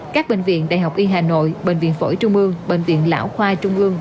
các bệnh viện đại học y hà nội bệnh viện phổi trung mương bệnh viện lão khoai trung mương